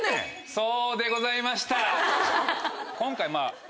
そうでございました。